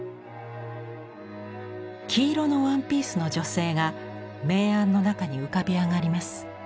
黄色のワンピースの女性が明暗の中に浮かび上がります。